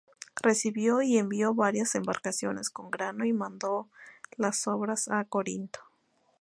Recibió y envió varias embarcaciones con grano, y mandó las sobras a Corinto.